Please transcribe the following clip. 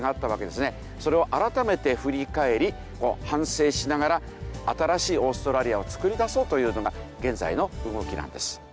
それを改めて振り返り反省しながら新しいオーストラリアを作りだそうというのが現在の動きなんです。